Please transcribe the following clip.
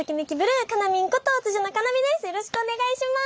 よろしくお願いします。